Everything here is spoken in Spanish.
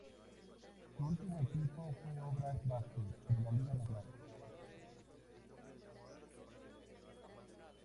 Su último equipo fue Obras Basket de la Liga Nacional.